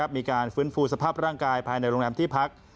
มีการฟื้นฟูสภาพร่างกายภายในโรงแรมที่พัก